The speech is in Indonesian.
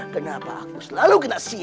kenapa aku selalu kena sia